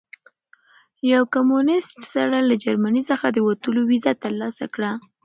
یو کمونیست سړي له جرمني څخه د وتلو ویزه ترلاسه کړه.